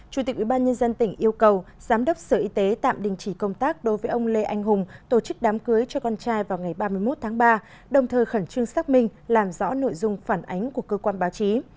chủ tịch ubnd tỉnh yêu cầu giám đốc sở y tế tạm đình chỉ công tác đối với ông lê anh hùng tổ chức đám cưới cho con trai vào ngày ba mươi một tháng ba đồng thời khẩn trương xác minh làm rõ nội dung phản ánh của cơ quan báo chí